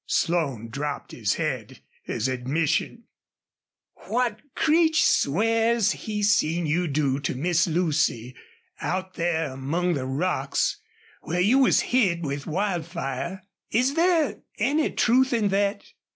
Slone dropped his head as admission. "What Creech swears he seen you do to Miss Lucy, out there among the rocks, where you was hid with Wildfire is there any truth in thet?"